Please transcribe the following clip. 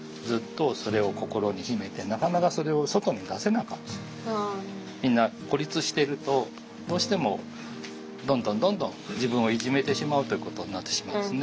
だからみんなはみんな孤立してるとどうしてもどんどんどんどん自分をいじめてしまうということになってしまうんですね。